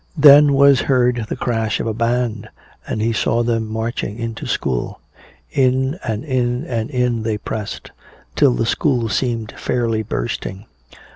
Then was heard the crash of a band, and he saw them marching into school. In and in and in they pressed, till the school seemed fairly bursting.